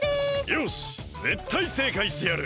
よしぜったいせいかいしてやる！